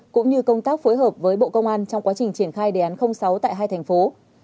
cũng như công tác phối hợp với bộ công an trong quá trình triển khai đề án sáu tại hai thành phố